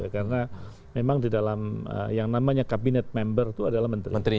karena memang di dalam yang namanya kabinet member itu adalah menteri